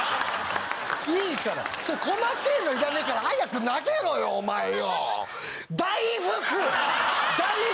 いいから細けえのいらねえから早く投げろよお前よ大福！大福！